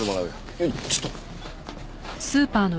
えっちょっと。